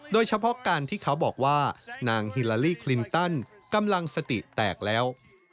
โดยเฉพาะการที่เขาบอกว่านางฮิลาลีคลินตันกำลังสติแตกแล้ว